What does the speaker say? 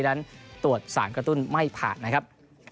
นั้นตรวจสารกระตุ้นไม่ผ่านนะครับ